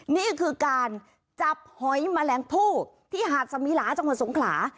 นี่คือการจับหอยแมลงผู้ที่หาดสมีหลาจังหวัดสงขลา